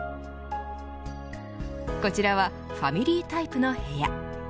こちらはファミリータイプの部屋。